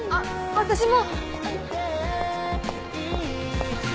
私も！